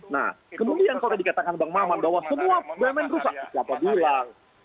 nah kemudian kalau dikatakan bang maman bahwa semua bumn rusak siapa bilang